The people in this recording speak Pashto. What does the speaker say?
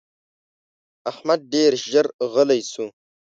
احمد ډېر ژر غلی شو.